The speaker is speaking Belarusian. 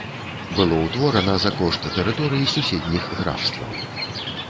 Было ўтворана за кошт тэрыторый суседніх графстваў.